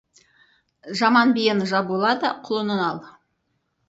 Жаман биені жабула да, кұлынын ал.